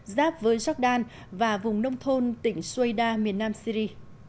giáp với jordan và vùng nông thôn tỉnh sueda miền nam syri